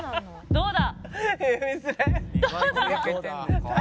「どうだ？」